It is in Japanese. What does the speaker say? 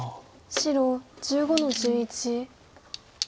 白１５の十一。